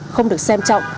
không được xem trọng